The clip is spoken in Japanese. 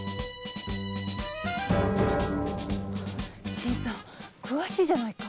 新さん詳しいじゃないか。